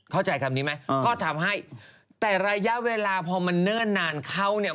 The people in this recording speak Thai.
เข้าใจคำนี้ไหมก็ทำให้แต่ระยะเวลาพอมันเนิ่นนานเข้าเนี่ย